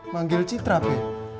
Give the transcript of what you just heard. manggil citra pe